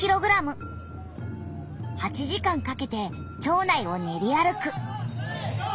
８時間かけて町内を練り歩く。